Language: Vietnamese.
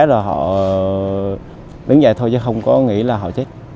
rồi họ đứng dậy thôi chứ không có nghĩ là họ chết